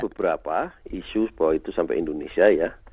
beberapa isu bahwa itu sampai indonesia ya